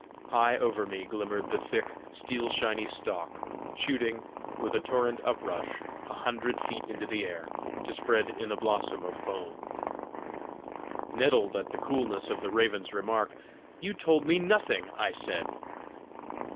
High over me glimmered the thick, steel shiny stalk, shooting, with a torrent uprush, a hundred feet into the air, to spread in a blossom of foam. Nettled at the coolness of the raven's remark, "You told me nothing!" I said.